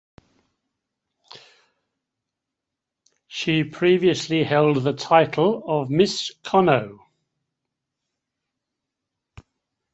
She previously held the title of "Miss Conneaut".